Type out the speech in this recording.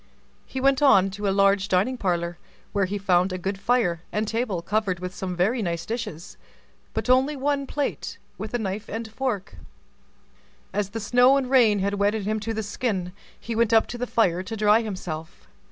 He went on to a large dining parlor, where he found a good fire, and table covered with some very nice dishes, but only one plate with a knife and fork. As the snow and rain had wetted him to the skin, he went up to the fire to dry himself.